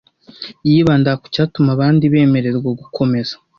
Yibandaga ku cyatuma abandi bemererwa gukomeza